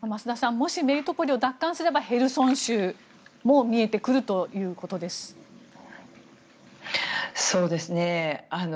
もしメリトポリを奪還すればヘルソン州も見えてくるということです。